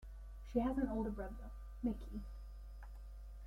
She has an older brother, Micky.